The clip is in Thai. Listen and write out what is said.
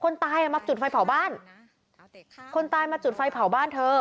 ตายอ่ะมาจุดไฟเผาบ้านคนตายมาจุดไฟเผาบ้านเธอ